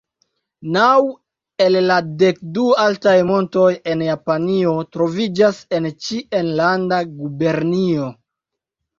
Naŭ el la dek du altaj montoj en Japanio troviĝas en ĉi enlanda gubernio.